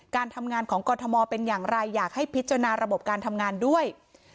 การทำงานของกรทมเป็นอย่างไรอยากให้พิจารณาระบบการทำงานด้วย